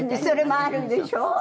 「それもあるんでしょ？」